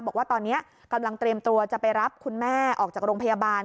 บอกว่าตอนนี้กำลังเตรียมตัวจะไปรับคุณแม่ออกจากโรงพยาบาล